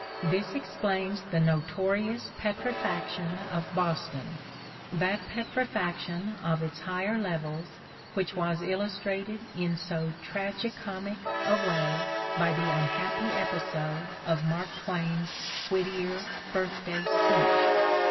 This explains the notorious petrifaction of Boston, that petrifaction of its higher levels which was illus trated in so tragi comic a way by the unhappy episode of Mark Twain's Whittier Birthday speech.